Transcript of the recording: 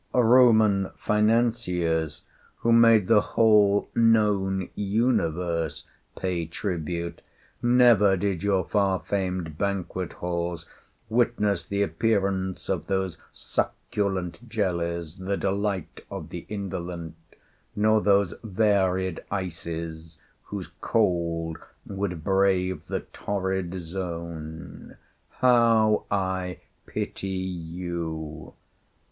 Roman financiers, who made the whole known universe pay tribute, never did your far famed banquet halls witness the appearance of those succulent jellies, the delight of the indolent, nor those varied ices whose cold would brave the torrid zone. How I pity you!